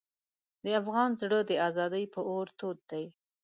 د افغان زړه د ازادۍ په اور تود دی.